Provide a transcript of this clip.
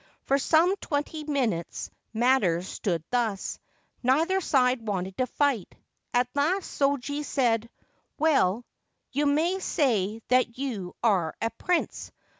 For some twenty minutes matters stood thus. Neither side wanted to fight. At last Shoji said :' Well, you may say that you are a prince